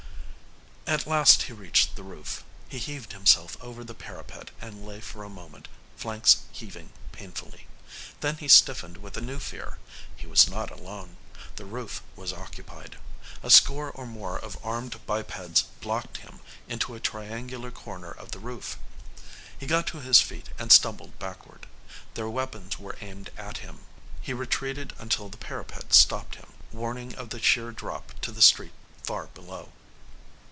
At last he reached the roof. He heaved himself over the parapet and lay for a moment, flanks heaving painfully. Then he stiffened with a new fear. He was not alone. The roof was occupied. A score or more of armed bipeds blocked him into a triangular corner of the roof. He got to his feet and stumbled backward. Their weapons were aimed at him. He retreated until the parapet stopped him, warning of the sheer drop to the street far below.